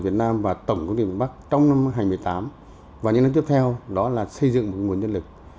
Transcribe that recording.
việt nam và tổng công ty miền bắc trong năm hai nghìn một mươi tám và những năm tiếp theo đó là xây dựng nguồn nhân lực